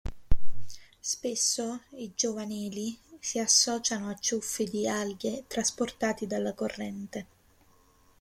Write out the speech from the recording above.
Spesso i giovanili si associano a ciuffi di alghe trasportati dalla corrente.